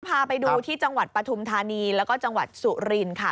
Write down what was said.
พาไปดูที่จังหวัดปฐุมธานีแล้วก็จังหวัดสุรินค่ะ